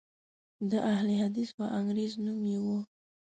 د اهل حدیث وانګریز نوم یې و.